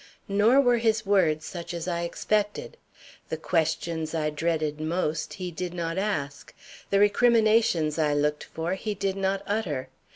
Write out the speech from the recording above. Nor were his words such as I expected. The questions I dreaded most he did not ask. The recriminations I looked for he did not utter.